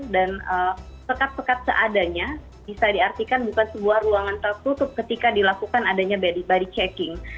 dan sekat sekat seadanya bisa diartikan bukan sebuah ruangan tertutup ketika dilakukan adanya body checking